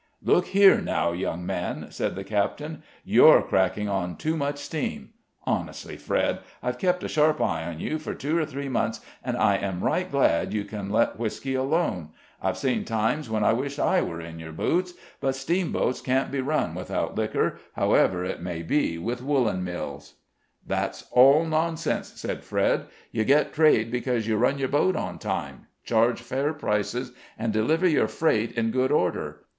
"Look here, now, young man," said the captain, "you're cracking on too much steam. Honestly, Fred, I've kept a sharp eye on you for two or three months, and I am right glad you can let whisky alone. I've seen times when I wished I were in your boots; but steamboats can't be run without liquor, however it may be with woolen mills." "That's all nonsense," said Fred. "You get trade because you run your boat on time, charge fair prices, and deliver your freight in good order.